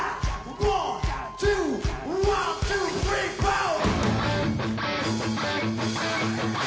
ワンツーワンツースリーフォー！